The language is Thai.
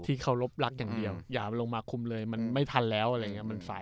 ที่เขารบลักษณ์อย่างเดียวอย่าลงมาคุมเลยมันไม่ทันแล้วมันสายไปแล้ว